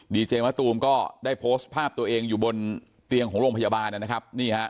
ดีเจมะตูมก็ได้โพสต์ภาพตัวเองอยู่บนเตียงของโรงพยาบาลนะครับนี่ฮะ